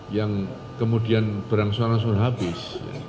yang kemudian berangsur angsur habis